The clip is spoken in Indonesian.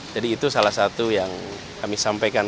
jadi itu salah satu yang kami sampaikan